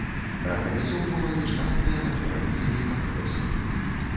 Арганізоўвала міжнародныя канферэнцыі і кангрэсы.